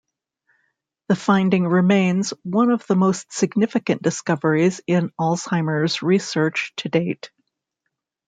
The finding remains one of the most significant discoveries in Alzheimer's research to date.